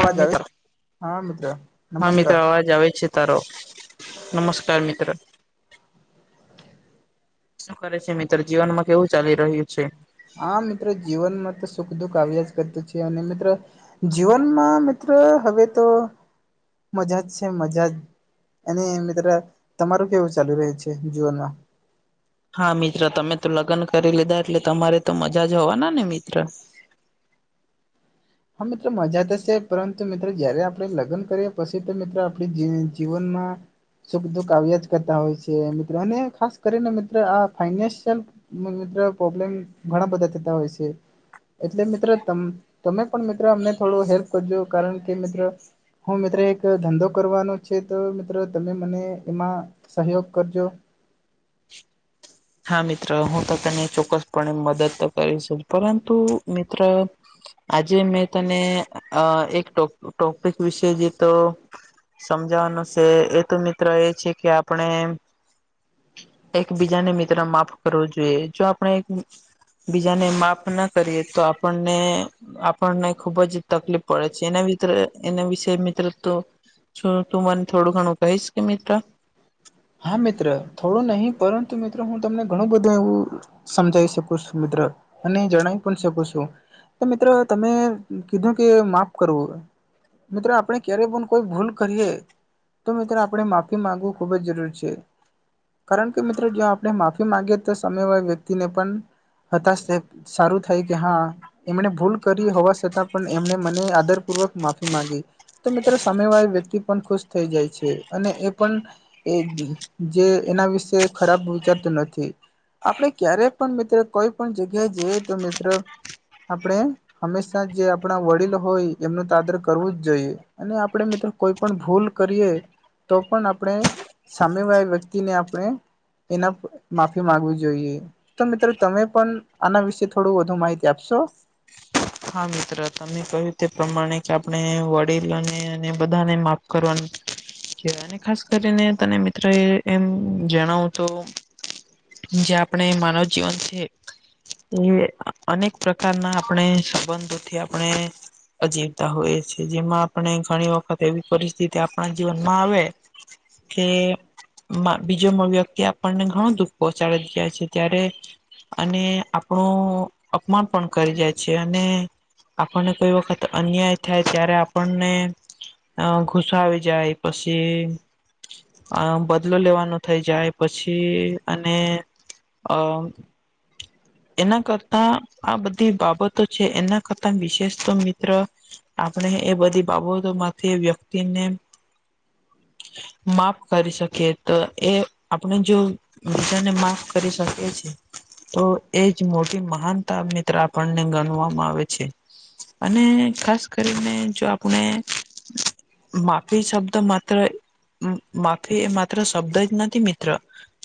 હા આવે મિત્ર હા મિત્ર હા મિત્ર નમસ્કાર અવાજ આવે છે. તારો નમસ્કાર મિત્ર- શું કરે છે મિત્ર જીવન માં કેવું ચાલી રહ્યું છે? હા મિત્રો જીવનમાં તો સુખ દુખ આવ્યા જ કરતું છે અને મિત્રો- જીવનમાં મિત્રો હવે તો મજા જ છે! મજા જ! અને મિત્ર તમારું કેવું ચાલુ રહે છે જીવનમાં? હા મિત્ર તમે તો લગ્ન કરી લીધા એટલે તમારે તો મજા જ હોવાના ને મિત્ર. હા મિત્રો મજા તો છે પરંતુ મિત્રો જયારે આપણે લગ્ન કરીએ પછી તો મિત્રો આપણી જીવનમાં- સુખ દુઃખ આવ્યા જ કરતા હોય છે મિત્રો અને ખાસ કરીને મિત્રો આ ફાયનાન્સયલ- મિત્રો પ્રોબ્લેમ ઘણા બધા થતા હોય છે એટલે મિત્રો તમે- પણ મિત્ર અમને થોડો હેલ્પ કરજો કારણ કે મિત્ર- હું મિત્રો એક ધંધો કરવાનો છે તો મિત્રો તમે મને એમાં- સહયોગ કરજો. હા મિત્ર હું તો તને ચોક્કસપણે મદદ તો કરીશ. પરંતુ મિત્ર આજે મેં તને એક ડો ટોપિક વિશે જેતો સમજાવાનું છે એ તો મિત્ર એ છે કે- પણ એમ એકબીજાને- માફ કરવું જોઈએ જો આપણે- બીજાને માફ ના કરીએ તો આપણને- આપણને ખુબ જ તકલીફ પડે છે એને એના વિશે મિત્ર તો- શું તું મને થોડું ઘણું કહીશ કે મિત્ર? હા મિત્ર થોડું નહી પરંતુ મિત્ર હું તમને ઘણું બધું એવું- સમજાવી શકુ છું મિત્ર અને જણાવી પણ શકુ છું. તો મિત્રો તમે કીધું કે માફ કરવું. મિત્ર આપણે ક્યારેય પણ કોઈ ભૂલ કરીએ તો મિત્ર આપણે માફી માંગવું ખુબ જ જરૂરી છે. કારણ કે મિત્ર જો આપણે માફી માંગીએ તો સામે વળી વ્યક્તિને પણ- હતાશ સારું થાય કે હા- એમણે ભૂલ કરી હોવા છતાં પણ એમને મને આદરપૂર્વક માફી માંગી. તો મિત્રો સામે વાળી વ્યક્તિ પણ ખુશ થઈ જાય છે. અને એ પણ- જે એના વિશે ખરાબ વિચારતું નથી. આપણે ક્યારે પણ મિત્ર કોઈ પણ જગ્યાએ જઈએ તો મિત્ર આપણે- હંમેશા જે આપણા વડીલ હોય એમનું તાદર કરવું જ જોઈએ. અને આપણે મિત્રો કોઈ પણ ભૂલ કરીએ તો પણ આપણે- સામેવા વ્યક્તિને આપણે એના માફી માંગવી જોઈએ. તો મિત્રો તમે પણ આના વિશે થોડું વધુ માહિતી આપશો. હા મિત્ર તમે કહ્યું તે પ્રમાણે કે આપણે વડીલોને અને બધાને માફ કરવાનું- અને ખાસ કરીને તને મિત્રો એ એમ જણાવું તો- જે આપણે માનવ જીવન છે. એ અનેક પ્રકારના આપણે સંબંધોથી આપણે- જીવતા હોય છે. જેમાં આપણે ઘણી વખત એવી પરિસ્થિતિ આપણા જીવનમાં આવે- કે બીજો વ્યક્તિ આપણને ઘણું દુઃખ પહોંચાડી જ ગયાાય છે. ત્યારે અને આપણું અપમાન પણ કરી જાય છે, અને આપણને કોઈ વખત અન્યાય થાય ત્યારે આપણને અ ઘુસો આવી જાય પછી. આ બદલો લેવાનો થઈ જાય પછી. એ અને એના કરતા આ બધા બાબતો છે, એના કરતા વિશેષ તો મિત્ર આપણે એ બધી બાબતો માંથી એ વ્યક્તિને હમ માફ કરી શકીએ તો એ આપણે જો બીજાને માફ કરી શકે છે. તો એજ મોટી મહાનતા મિત્ર આપણને ગણવામાં આવે છે. અને ખાસ કરીને જો આપણે માફી શબ્દ માત્ર માફી એ માત્ર શબ્દ જ નથી મિત્ર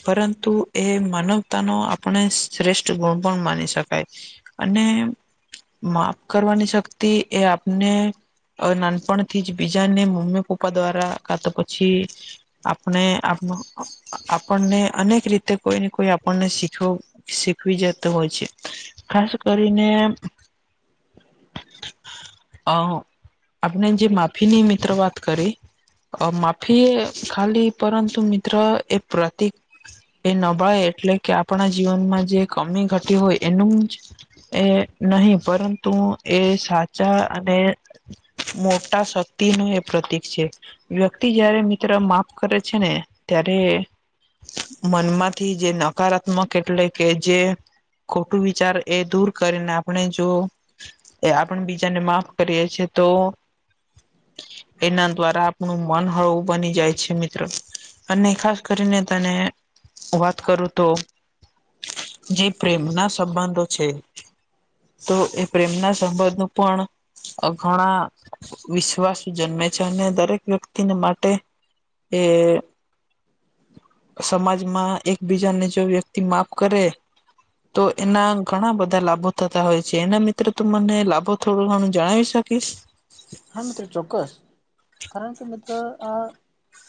પરંતુ એ માનવતાનો પણ શ્રેષ્ઠ ગુણ પણ માની શકાય અને માફ કરવાની શક્તિ એ આપને નાનપણથી જ બીજાને મમ્મી પપ્પા દ્વારા કા તો પછી આપણે આપણને અનેક રીતે કોઈ ને કોઈ આપણને શીખવું શીખવી જતો હોય છે, ખાસ કરીને અ આપણે જે માફીની મિત્ર વાત કરી અ માફી ખાલી પરંતુ મિત્ર એ પ્રતિક એ નબળે એટલે કે આપણા જીવનમાં જે કમી ઘટી હોય એનું જ એ નહી પરંતુ એ સાચા અને મોટા શક્તિ નું એ પ્રતીક છે. વ્યક્તિ જયારે મિત્ર માફ કરે છે, ને ત્યારે મનમાંથી જે નકારાત્મક એટલે કે જે ખોટું વિચાર એ દૂર કરીને આપણે જો એ આપણે બીજાને માફ કરીએ છીએ તો એના દ્વારા આપણું હળું બની જાય છે, મિત્ર અને ખાસ કરીને તને વાત કરું તો જે પ્રેમ ના સંબંધો છે. તો એ પ્રેમના સંબંધ નું પણ અ ઘણા વિશ્વાસુ જન્મે છે, અને દરેક વ્યક્તિને માટે એ સમાજમાં એકબીજાને જો વ્યક્તિ માફ કરે તો એના ઘણા બધા લાભો થ હોય છે, એના મિત્રો તું મને લાભો થોડો ઘણા જણાવી શકીશ? હા મિત્રો ચોક્કસ કારણ કે મિત્રો આ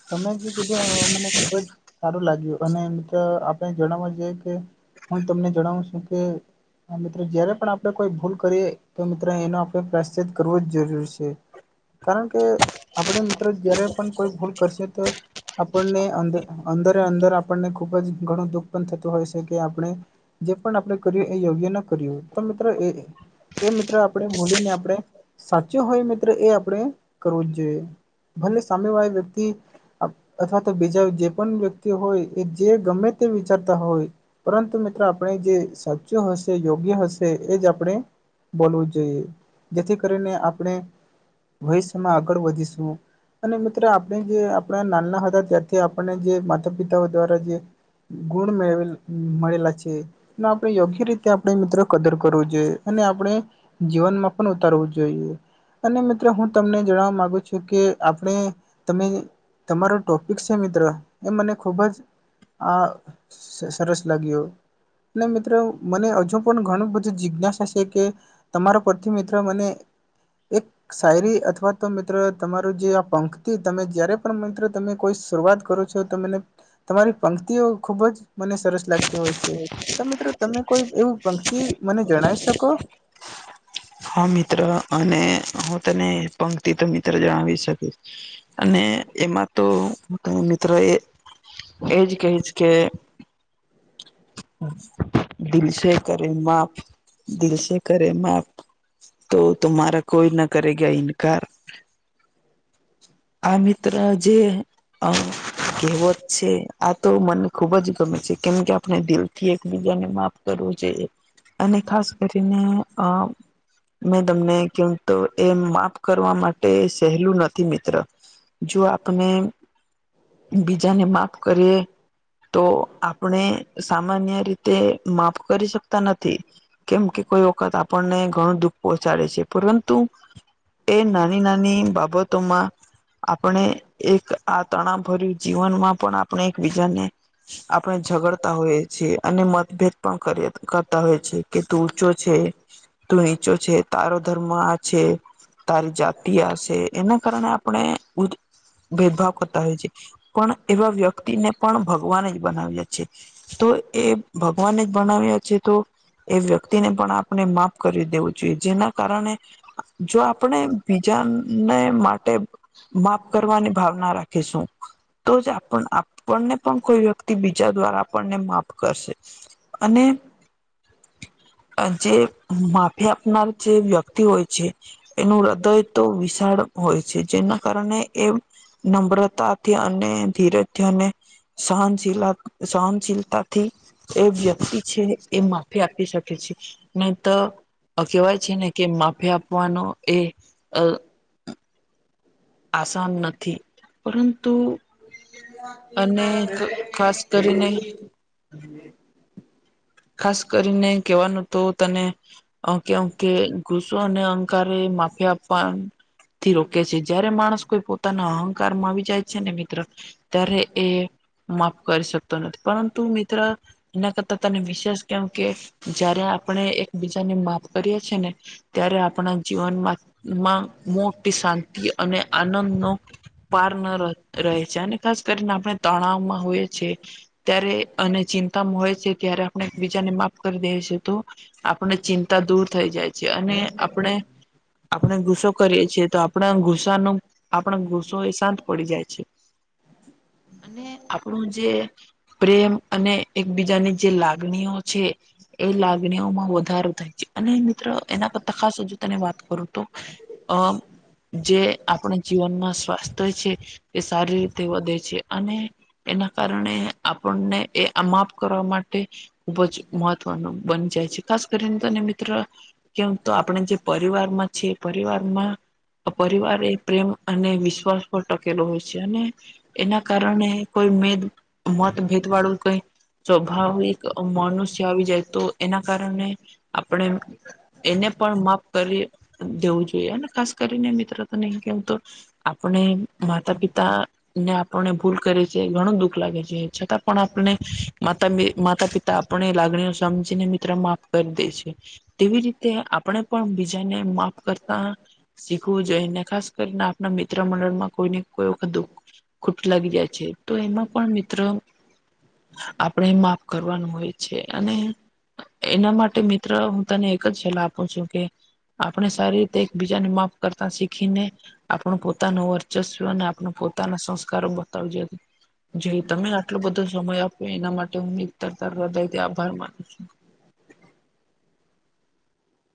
તમે જે કીધું અ મને ખુબ જ સારું લાગ્યું. અને મિત્ર આપણે જણાવવા જઈએ કે હું તમને જણાવું છું. કે હા મિત્રો જયારે પણ આપડણે કોઈ ભૂલ કરીએ તો મિત્રો એનો આપણે પ્રાયશીત કરવો જરૂર છે. કારણ કે આપણે મિત્રો જયારે પણ કોઈ ભૂલ કરશે તો આપણને અ અંદર-અંદર આપણને ખૂબ જ ઘણું દુઃખ પણ થતું હોય છે, કે આપણે જે પણ આપણે કર્યું એ યોગ્ય ના કર્યું તો મિત્રો એ એ મિત્ર આપણે બૂલીને આપણે સાચું હોય મિત્ર એ આપણે કરવું જ જોઈએ. ભલે સામેવાળી વ્યક્તિ અથવા તો બીજા જે પણ વ્યક્તિ હોય એ જે ગમે તે વિચારતા હોય પરંતુ મિત્રો આપણે જે સાચું હશે યોગ્ય હશે એ જ આપણે બોલવું જોઈએ જેથી કરીને આપણે ભવિષ્યમાં આગળ વધીશું. અને મિત્ર આપણે જે આપણા નાના હતા ત્યાારથી આપણેને જે માતા પિતાઓ દ્વારા જે ગુણ મેવેલ મળેલા છે. આપણે યોગ્ય રીતે આપણે મિત્રો કદર કરવો જોઈએ અને આપણે જીવનમાં પણ ઉતારવું જોઈએ‌. અને મિત્રો હું તમને જણવા માગુ છું કે આપણે તમે તમારો ટોપિક છે મિત્રો એ મને ખુબ જ આ સરસ લાગ્યો. મિત્રો મને હજુ પણ ઘણું બધી જિજ્ઞાસા છે કે તમારો પરથી મિત્ર મને એક શાયરી અથવા તો મિત્ર તમારું જે આ પંખથી તમે જ્યારે પણ મિત્ર તમે કોઈ શરૂઆત કરો છો. જે તમારી પંક્તિઓ ખુબ જ મને સરસ લાગતી હોય છે તો મિત્રો તમે કોઈ એવું પંક્તિ મને જણાવી શકો. હા મિત્ર અને હું તને પંક્તિ તો મિત્ર જણાવી શકીશ અને એમાં તો તમે મિત્રો એ એજ કહીશ કે દિલસે કરે માફ દિલસે કરે માફ તો તુમારા કોઈ ના કરેગ ઇનકાર આ મિત્ર જે અ કહેવત છે આ તો મને ખુબ જ ગમે છે કેમ કે આપણે દિલ થી એકબીજાને માફ કરવું જોઈએ અને ખાસ કરીને મેં તમને કેમ તો એ માફ કરવા માટે સહેલું નથી મિત્ર જો આપણે બીજાને માફ કરીએ તો આપણે સામાન્ય રીતે માફ કરી શકતા નથી. કેમ કે કોઈ વખત આપણને ઘણું દુઃખ પહોંચાડે છે પરંતુ એ નાની નાની બાબતોમાં આપણે એક આ તણાવ ભર્યું જીવનમાં પણ આપણે એકબીજાને આપણે ઝગડતા હોઈએ છ છેીએ અને મતભેદ પણ કરતા હોય છેએ કે તું છે તો નીચો છે, તારો ધર્મ આ છે. તારી જાતિ આશે એના કારણે આપણે ભેદભાવ કરતા હોય છે પણ એવા વ્યક્તિને પણ ભગવાન જ બનાવ્યા છે. તો એ ભગવાને જ બનાવ્યા છે તો એ વ્યક્તિને પણ આપણે માફ કરી દેવું જોઈએ જેના કારણે જો આપણે બીજાને માટે માફ કરવાની ભાવના રાખીશું તો જ આપ આપણને પણ ક બીજા દ્વારા આપને માફ કરશે અને અ જે માફી આપનાર જે વ્યક્તિ હોય છે. એનું હૃદય તો વિશાળ હોય છે જેના કારણે એ નમ્રતાથી અને ધીરજથી અને સહનશીલ સહનશીલતાથી એ વ્યક્તિ છે એ માફી આપી શકે છે. તો કહેવાય છે ને કે માફી આપવાનો એ આસાન નથી પરંતુ- અને ખાસ કરીને [inaudible] ખાસ કરીને કેવાનું તો તને ઓકે ઓકે ગુસો અને અંહકાર માફી આપવાનું થી રોકે છે જયારે માણસ કોઈ પોતાના અહંકાર માં આવી જાય છે ને મિત્ર ત્યારે એ માફ કરી શકતો નથી પરંતુ મિત્ર એના કરતા તને વિ કેમ કે જયારે આપણે એક બીજાની માફ કરીએ છિએ ને ત્યારે આપણા જીવનમાં માં મોટી શાંતિ અને આનંદ નો પાર ન રહે છે હેને ખાસ કરીને આપણે તણાવમાં હોએ છે ત્યારે અને ચિંતામાં હોય છે ત્યારે એકબીજાને માફ કરી દે છે તો આપણને ચિંતા દૂર થઈ જાય છે અને આપણે. આપણે ગુસ્સો કરીએ છીએ તો આપણા ગુસ્સાનો આપણા ગુસ્સો એ શાંત પડી જાય છે. [inaudible] અને આપણું જે પ્રેમ અને એકબીજાની જે લાગણી અગ્ણીઓ છે. એ લાગણીઓમાં વધારો થાય છે અને મિત્ર એના કરતા ખાસ હજુ તને વાત કરો તો અ. જે આપણા જીવનમાં સ્વાસ્થ્ય છે એ સારી રીતે વધે છે અને એના કારણે આપણને એ આ માપ કરવા માટે. ખુબ જ મહત્વનું બની જાય છે ખાસ કરીને તને મિત્ર કેમ તો આપણે જે પરિવારમાં છે પરિવારમાં પરિવાર એ પ્રેમ અને વિશ્વાસ પર ટકેલો હોય છે અને એના કારણે કોઈ મેદ મતભેદ વાળું કઈ સ્વભાવ મનુષ્ય આવી જાય તો એના કારણે આપણે. એને પણ માફ કરી દેવું જોઈએ ખાસ કરીને મિત્ર તો નહી કેવ તો. આપણે માતા પિતા. ને આપણને ભૂલ કરે છે ઘણું દુઃખ લાગે છે છતાં પણ આપને માતા માતા પિતા આપણે એ લાગણીઓ સમજીને મિત્ર માફ કરી દે છે. તેવી રીતે આપણે પણ બીજાને માફ કરતા. શીખવું જોઈ ને ખાસ કરીને આપના મિત્ર મંડળ માં કોઈને કોઈ વખત દુઃખ. ખોટું લાગી જાય છે તો એમાં પણ મિત્ર આપણે મા કરવાનું હોય છે અને. એના માટે મિત્ર હું તને એક જ છેલ્લા આપું છું કે. આપણે સારી રીતે એકબીજાને માફ કરતા શીખીને. આપણું પોતાનું વર્ચસ્વ અને આપણુ પોતાના સંસ્કારો બતાવવા જ જી તમે આટલો બધો સમય આપો એના માટે હું તર હૃદયથી આભાર માનું છું.